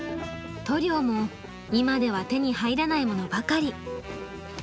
塗料も今では手に入らないものばかり。